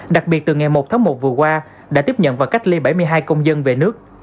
đặc biệt từ ngày một tháng một vừa qua đã tiếp nhận và cách ly bảy mươi hai công dân về nước